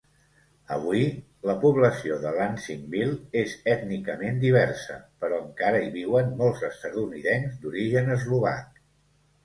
Avui, la població de Lansingville és ètnicament diversa, però encara hi viuen molts estatunidencs d'origen eslovac.